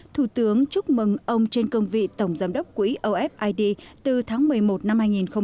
thủ tướng chúc mừng ông trên cương vị tổng giám đốc quỹ ofid từ tháng một mươi một năm hai nghìn một mươi tám